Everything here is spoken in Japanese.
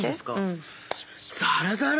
ザラザラ！